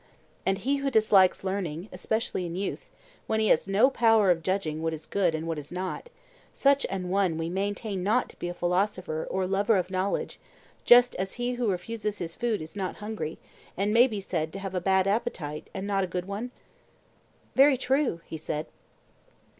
And he who dislikes learning, especially in youth, when he has no power of judging what is good and what is not, such an one we maintain not to be a philosopher or a lover of knowledge, just as he who refuses his food is not hungry, and may be said to have a bad appetite and not a good one? Very true, he said.